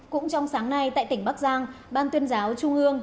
cũng trong sáng nay tại tỉnh bắc giang ban tuyên giáo trung ương